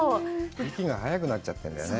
息が早くなっちゃうんだよね。